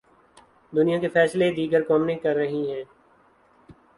دنیا کے فیصلے دیگر قومیں کررہی ہیں۔